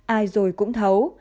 ai rồi cũng thấu